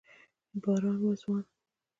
باران و ځوان